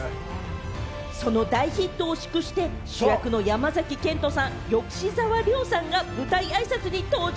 その大ヒットを祝して、主役の山崎賢人さん、吉沢亮さんが舞台あいさつに登場。